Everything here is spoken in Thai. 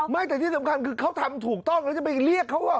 แต่ที่สำคัญคือเขาทำถูกต้องแล้วจะไปเรียกเขา